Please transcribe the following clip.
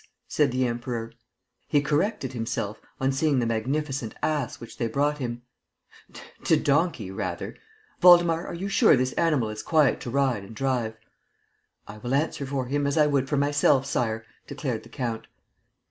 said the Emperor. He corrected himself, on seeing the magnificent ass which they brought him: "To donkey, rather! Waldemar, are you sure this animal is quiet to ride and drive?" "I will answer for him as I would for myself, Sire," declared the count.